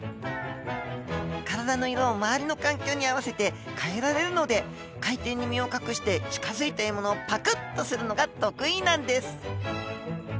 体の色を周りの環境に合わせて変えられるので海底に身を隠して近づいた獲物をパクッとするのが得意なんです。